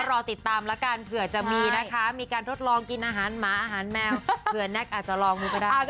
รอติดตามละกันเผื่อจะมีนะคะมีการทดลองกินอาหารหมาอาหารแมวเผื่อแน็กอาจจะลองดูก็ได้